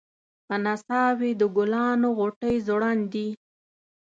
په نڅا وې د ګلانو غوټۍ ځونډي